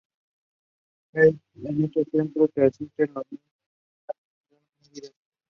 En estos Centros se asisten a los niños diariamente con una merienda-cena.